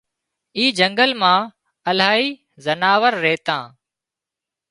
اي جنڳل مان الاهي زناور ريتان